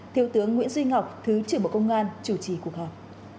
thiếu tướng nguyễn duy ngọc thứ trưởng bộ công an chủ trì cuộc họp